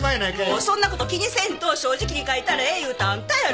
もうそんなこと気にせんと正直に書いたらええ言うたのあんたやろ。